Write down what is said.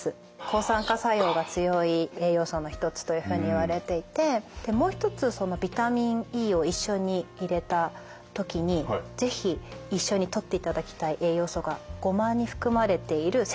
抗酸化作用が強い栄養素の一つというふうにいわれていてでもう一つそのビタミンＥを一緒に入れた時に是非一緒にとっていただきたい栄養素がゴマに含まれているセサミンなんですね。